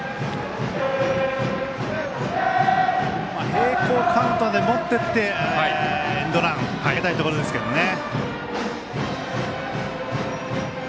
並行カウントにもっていってエンドランかけたいところですけどね。